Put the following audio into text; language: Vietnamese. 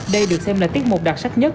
đây được xem là tiết mục đặc sắc nhất